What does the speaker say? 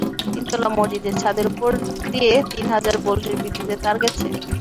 তিনতলা মসজিদের ছাদের ওপর দিয়ে তিন হাজার ভোল্টের বিদ্যুতের তার গেছে।